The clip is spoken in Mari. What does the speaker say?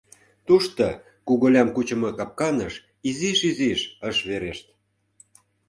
Тушто куголям кучымо капканыш изиш-изиш ыш верешт.